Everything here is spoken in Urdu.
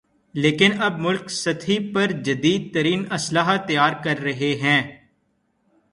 لیکن اب ملک سطحی پر جدیدترین اسلحہ تیار کررہے ہیں